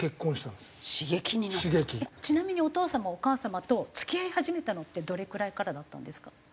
ちなみにお父様はお母様と付き合い始めたのってどれくらいからだったんですか？